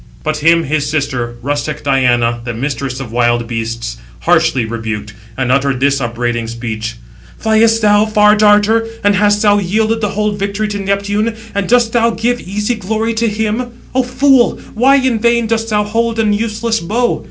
But him his sister, rustic Diana, the mistress of wild beasts, harshly rebuked, and uttered this upbraiding speech: "Fliest thou, Far darter? and hast thou yielded the whole victory to Neptune? and dost thou give easy glory to him? O Fool, why in vain dost thou hold an useless bow?